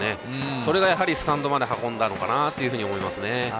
それがスタンドまで運んだのかなと思いましたね。